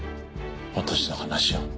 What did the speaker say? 私の話を。